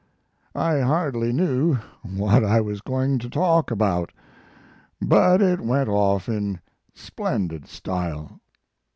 I hardly knew what I was going to talk about, but it went off in splendid style.